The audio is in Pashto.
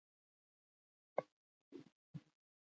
دلته د وروستیو او لومړنیو پیسو په اړه بحث کوو